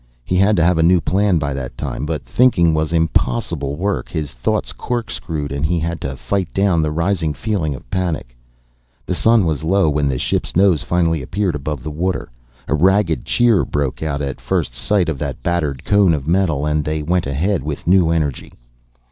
He had to have a new plan by that time, but thinking was impossible work. His thoughts corkscrewed and he had to fight down the rising feeling of panic. The sun was low when the ship's nose finally appeared above the water. A ragged cheer broke out at first sight of that battered cone of metal and they went ahead with new energy.